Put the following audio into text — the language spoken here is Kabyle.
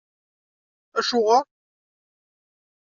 Acuɣer?